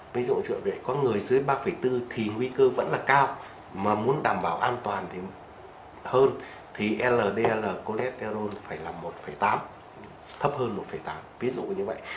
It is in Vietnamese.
ví dụ như vậy có người dưới ba bốn thì nguy cơ vẫn là cao mà muốn đảm bảo an toàn hơn thì ldl colesterol phải là một tám thấp hơn một tám ví dụ như vậy